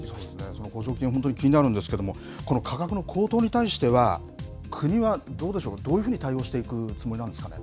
その補助金、本当に気になるんですけれども、この価格の高騰に対しては、国はどうでしょう、どういうふうに対応していくつもりなんですかね。